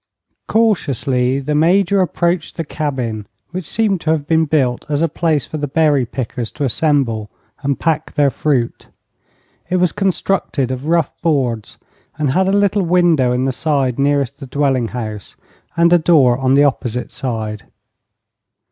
Cautiously the Major approached the cabin, which seemed to have been built as a place for the berry pickers to assemble and pack their fruit. It was constructed of rough boards and had a little window in the side nearest the dwelling house and a door on the opposite side.